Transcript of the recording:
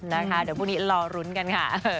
นะคะเดี๋ยวพรุ่งนี้รอรุ้นกันค่ะ